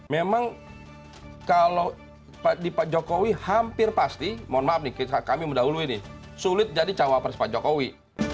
memang kalau di pak jokowi hampir pasti mohon maaf nih kami mendahului nih sulit jadi cawapres pak jokowi